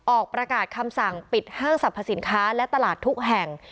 ออกประกาศคำสั่งปิดห้างสรรพสินค้าและตลาดทุกแห่ง